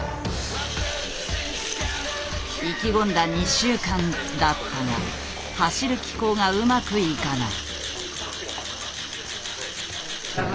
意気込んだ２週間だったが走る機構がうまくいかない。